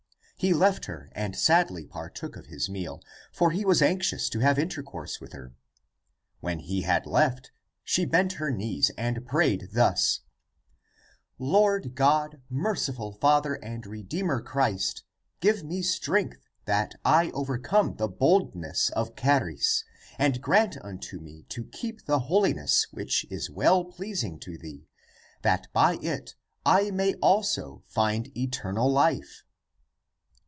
He left her and sadly partook of his meal, for he was anxious to have intercourse with her. When he had left, she bent her knees and prayed thus :" Lord God, merciful Father, and Re deemer Christ, give me strength that I overcome the boldness of Charis, and grant unto me to keep the holiness which is well pleasing to thee, that by it I may also find eternal life."